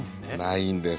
ないんです。